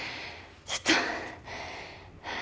ちょっと。